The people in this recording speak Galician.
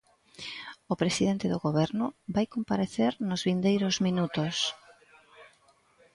O presidente do Goberno vai comparecer nos vindeiros minutos.